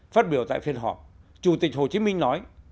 phát biểu tại phiên họp chủ tịch hồ chí minh nói